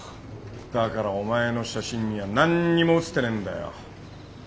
だからお前の写真には何にも写ってねえんだよ。